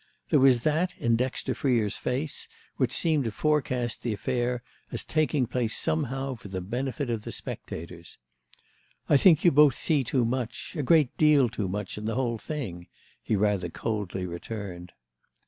There was that in Dexter Freer's face which seemed to forecast the affair as taking place somehow for the benefit of the spectators. "I think you both see too much—a great deal too much—in the whole thing," he rather coldly returned.